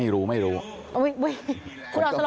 พวกเนทปกติจะขึ้นเองไหม